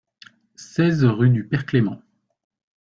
seize rue du Père Clément